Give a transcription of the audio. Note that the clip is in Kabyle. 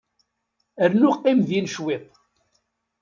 Rnu qqim din cwiṭ.